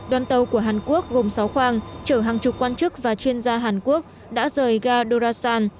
đoàn tàu của hàn quốc gồm sáu khoang trở hàng chục quan chức và chuyên gia hàn quốc đã rời ga dorasan